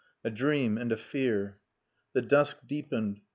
"A dream and a fear." The dusk deepened.